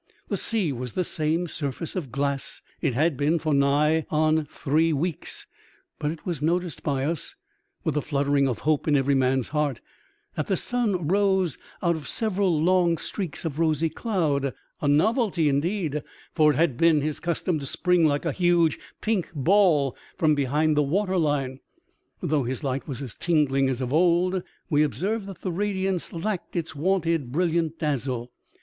The sea was the same surface of glass it had been for nigh hand three weeks; but it was noticed by us, with a fluttering of hope in every man's heart, that the sun rose out of several long streaks of rosy cloud, a novelty inliim, for it had been his custom to spring like a huge pink ball from behind the water line. Though his light was as tingling as of old, we observed that the radiance lacked its wonted brilliant dazzle.